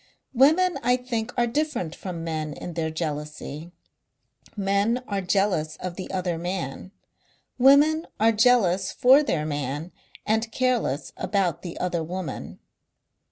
Women I think are different from men in their jealousy. Men are jealous of the other man; women are jealous for their man and careless about the other woman.